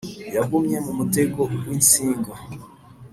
yagumye mumutego winsinga.